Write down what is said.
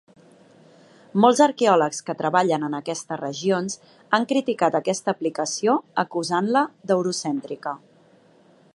Molts arqueòlegs que treballen en aquestes regions han criticat aquesta aplicació acusant-la d'eurocèntrica.